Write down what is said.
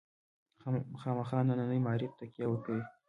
خامخا ننني معارف تکیه وکوي.